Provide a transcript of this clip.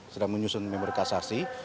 sedang menyusun memori kasasi